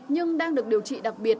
nhưng đang được điều trị đặc biệt